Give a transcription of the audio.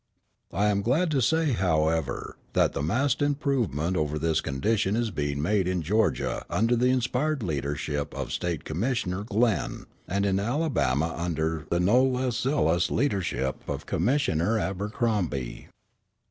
I am glad to say, however, that vast improvement over this condition is being made in Georgia under the inspired leadership of State Commissioner Glenn, and in Alabama under the no less zealous leadership of Commissioner Abercrombie.